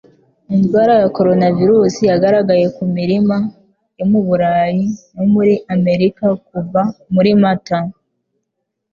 Indwara ya coronavirus yagaragaye ku mirima yo mu Burayi no muri Amerika kuva muri Mata